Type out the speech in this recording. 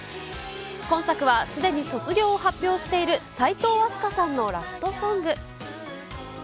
今作はすでに卒業を発表している齋藤飛鳥さんのラストソング。